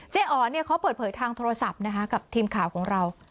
เจ๊อ๋อเขาเปิดเผยทางโทรศัพท์กับทีมข่าวของเรา